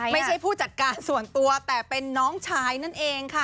ผู้จัดการส่วนตัวแต่เป็นน้องชายนั่นเองค่ะ